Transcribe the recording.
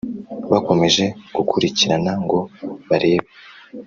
Bakomeje gukurikirana ngo barebe